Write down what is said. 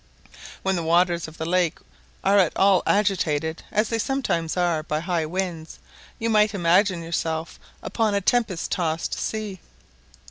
When the waters of the lake are at all agitated, as they sometimes are, by high winds, you might imagine yourself upon a tempest tossed sea.